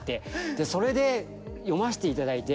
それで読ましていただいて。